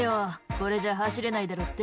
『これじゃ走れないだろ』って？」